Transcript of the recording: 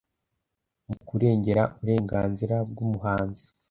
mu kurengera uburenganzira bw’umuhanzi.